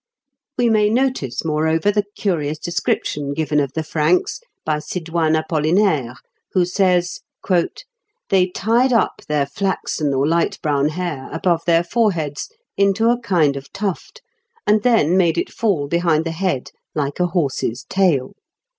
We may notice, moreover, the curious description given of the Franks by Sidoine Apollinaire, who says, "They tied up their flaxen or light brown hair above their foreheads, into a kind of tuft, and then made it fall behind the head like a horse's tail.